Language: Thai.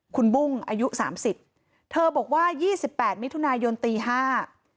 คุณบุ้งอายุสามสิบเธอบอกว่ายี่สิบแปดมิถุนายนตีห้า